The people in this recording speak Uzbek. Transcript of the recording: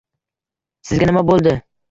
Sizga nima bo'ldi?